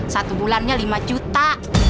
satu bulannya lima juta